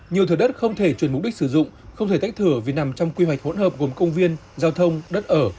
nhiều thừa đất không thể chuyển mục đích sử dụng không thể tách thửa vì nằm trong quy hoạch hỗn hợp gồm công viên giao thông đất ở